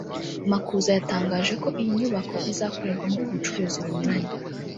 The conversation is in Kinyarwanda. Makuza yatangaje ko iyi nyubako izakorerwamo ubucuruzi bunyuranye